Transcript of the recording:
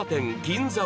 銀座